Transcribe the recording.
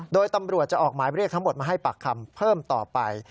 โดยตำรวจจะออกหมายเรียกทั้งหมดมาให้ปากคำเพิ่มต่อไป